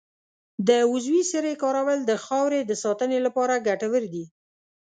د عضوي سرې کارول د خاورې د ساتنې لپاره ګټور دي.